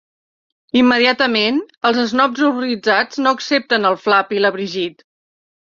Immediatament, els esnobs horroritzats no accepten el Flav i la Brigitte.